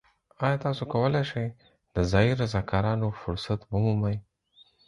ایا تاسو کولی شئ د ځایی رضاکارانه فرصت ومومئ؟